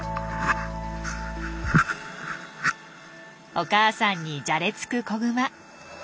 お母さんにじゃれつく子グマ。